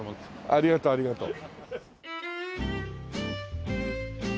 ありがとうありがとう。